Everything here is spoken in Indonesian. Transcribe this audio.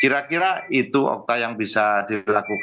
kira kira itu okta yang bisa dilakukan dan hindari hoak